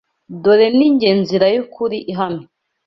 Dore ni jye nzira y ukuri ihamye